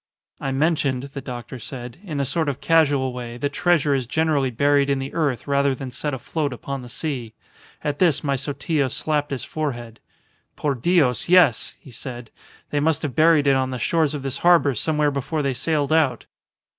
"I mentioned," the doctor said, "in a sort of casual way, that treasure is generally buried in the earth rather than set afloat upon the sea. At this my Sotillo slapped his forehead. 'Por Dios, yes,' he said; 'they must have buried it on the shores of this harbour somewhere before they sailed out.